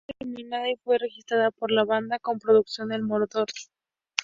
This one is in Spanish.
La canción fue terminada y fue registrada por la banda, con producción de Moroder.